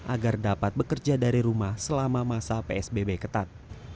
agar dapat bekerja dari rumah selama masa psbb ketat